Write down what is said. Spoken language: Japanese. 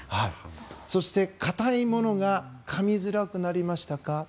そして、硬いものがかみづらくなりましたか。